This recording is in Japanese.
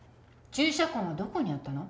注射痕はどこにあったの？